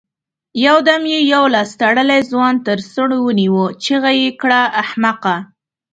يودم يې يو لاس تړلی ځوان تر څڼو ونيو، چيغه يې کړه! احمقه!